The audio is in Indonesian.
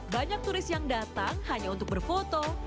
banyak turis yang datang hanya untuk berfoto